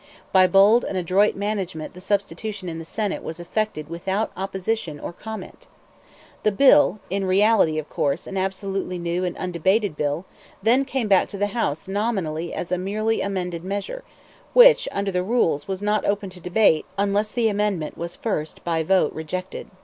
By bold and adroit management the substitution in the Senate was effected without opposition or comment. The bill (in reality, of course, an absolutely new and undebated bill) then came back to the House nominally as a merely amended measure, which, under the rules, was not open to debate unless the amendment was first by vote rejected.